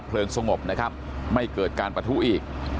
สงบนะครับไม่เกิดการปะทุอีก